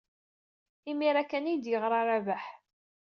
Imir-a kan ay iyi-d-yeɣra Rabaḥ.